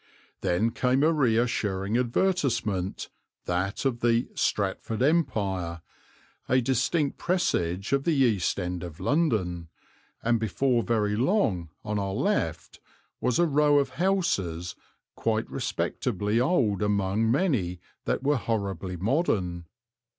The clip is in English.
Then came a reassuring advertisement, that of the "Stratford Empire," a distinct presage of the East End of London, and before very long on our left was a row of houses quite respectably old among many that were horribly modern.